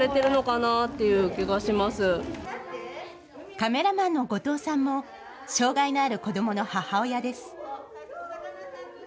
カメラマンの後藤さんも障害のある子どもの母親です。